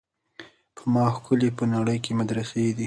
په ما ښکلي په نړۍ کي مدرسې دي